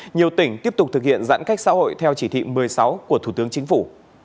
nhiều tỉnh tiếp tục thực hiện giãn cách xã hội theo chỉ thị một mươi sáu của thủ tướng chính phủ